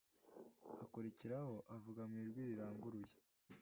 akurikiraho avuga mu ijwi riranguruye